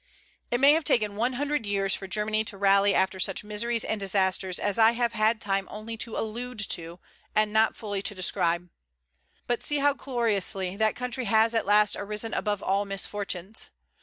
It may have taken one hundred years for Germany to rally after such miseries and disasters as I have had time only to allude to, and not fully to describe; but see how gloriously that country has at last arisen above all misfortunes!